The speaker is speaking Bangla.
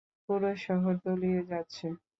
পুরো শহর তলিয়ে যাচ্ছে।